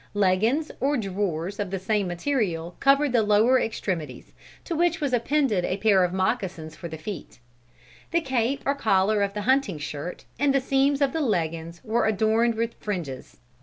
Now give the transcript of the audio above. Leggins, or drawers, of the same material, covered the lower extremities, to which was appended a pair of moccasins for the feet. The cape or collar of the hunting shirt, and the seams of the leggins were adorned with fringes.